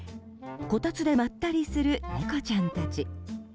こたつでまったりする猫ちゃんたち。